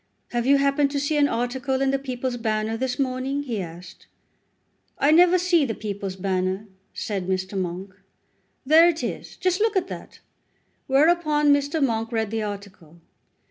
"Have you happened to see an article in the 'People's Banner' this morning?" he asked. "I never see the 'People's Banner,'" said Mr. Monk. "There it is; just look at that." Whereupon Mr. Monk read the article.